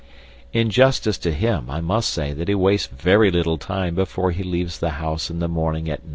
In justice to him I must say that he wastes very little time before he leaves the house in the morning at 9.